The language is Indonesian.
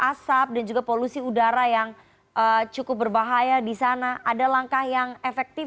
asap dan juga polusi udara yang cukup berbahaya di sana ada langkah yang efektif